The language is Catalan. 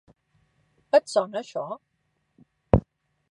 Et sona això?